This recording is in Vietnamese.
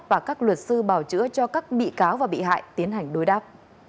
và các luật sư bảo chữa cho các bị cáo và bị hại tiến hành đối đáp